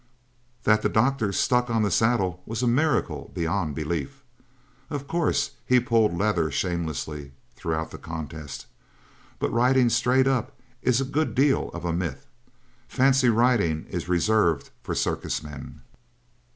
That the doctor stuck on the saddle was a miracle beyond belief. Of course he pulled leather shamelessly throughout the contest, but riding straight up is a good deal of a myth. Fancy riding is reserved for circus men.